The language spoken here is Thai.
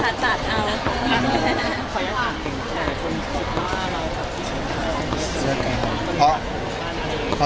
หันผมตั้งด้วยไม่ได้หันค่ะตัดเอา